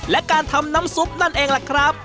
และการทำน้ำซุปนั่นเองล่ะครับ